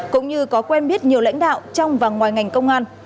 cũng như có quen biết nhiều lãnh đạo trong và ngoài ngành công an